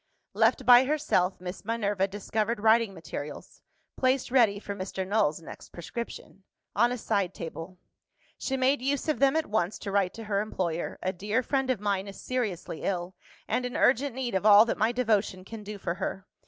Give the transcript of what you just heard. Left by herself, Miss Minerva discovered writing materials (placed ready for Mr. Null's next prescription) on a side table. She made use of them at once to write to her employer. "A dear friend of mine is seriously ill, and in urgent need of all that my devotion can do for her.